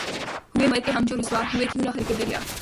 ہوئے مر کے ہم جو رسوا ہوئے کیوں نہ غرقِ دریا